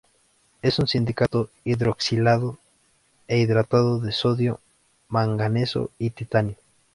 Es un silicato hidroxilado e hidratado de sodio, manganeso y titanio.